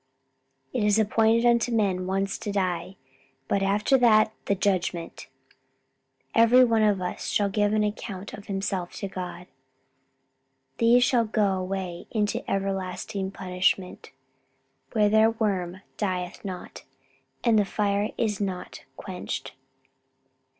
"It is appointed unto men once to die, but after that the judgment." "Every one of us shall give an account of himself to God." "These shall go away into everlasting punishment." "Where their worm dieth not, and the fire is not quenched."